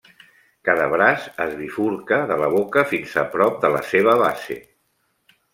Cada braç es bifurca de la boca fins a prop de la seva base.